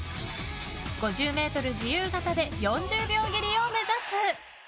５０ｍ自由形で４０秒切りを目指す。